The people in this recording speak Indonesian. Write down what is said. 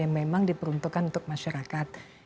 yang memang diperuntukkan untuk masyarakat